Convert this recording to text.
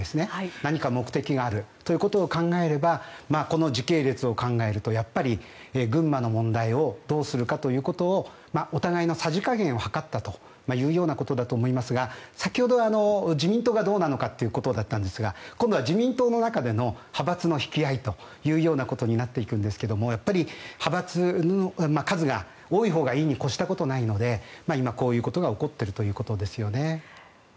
何か目的があるということを考えればこの時系列を考えるとやっぱり群馬の問題をどうするかということをお互いのさじ加減を図ったということだと思いますが先ほど、自民党がどうなのかということだったんですが今度は自民党の中での派閥の引き合いということになっていくんですがやっぱり派閥、数が多いほうがいいに越したことはないので今、こういうことが起こっているということですよね。